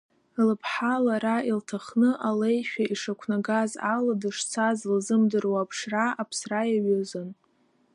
Лыԥҳа лара илҭахны алеишәа ишақәнагаз ала дышцаз лзымдыруа аԥшра, аԥсра иаҩызан.